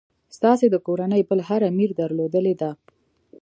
ستاسي د کورنۍ بل هر امیر درلودلې ده.